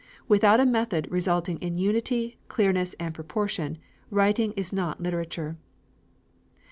Without a method resulting in unity, clearness, and proportion, writing is not literature.